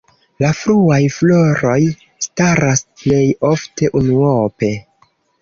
La fruaj floroj staras plej ofte unuope.